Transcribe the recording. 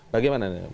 bagaimana nih pak